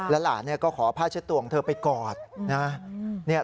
แล้วหลานก็ขอพาชัดตัวของเธอไปกอดนะ